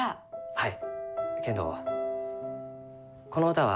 はい。